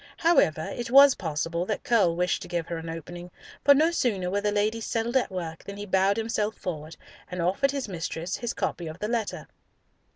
However, it was possible that Curll wished to give her an opening, for no sooner were the ladies settled at work than he bowed himself forward and offered his mistress his copy of the letter.